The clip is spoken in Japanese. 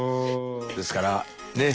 ですからねえ